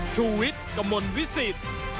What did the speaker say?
ชูเวทตีแสดหน้าวันนี้